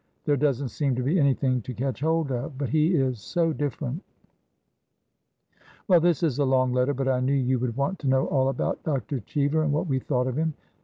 There does n't seem to be anything to catch hold of. But he is so different 1 Well, this is a long letter, but I knew you would want to know all about Dr. Cheever, and what we thought of him.